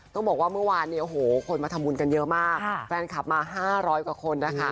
ต้องบอกว่าเมื่อวานคนมาทำบุญกันเยอะมากแฟนคลับมา๕๐๐กว่าคน